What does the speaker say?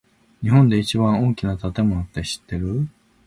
日本で一番大きな建物って知ってる？